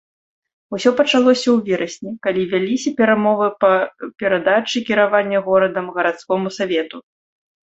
Усё пачалося ў верасні, калі вяліся перамовы па перадачы кіравання горадам гарадскому савету.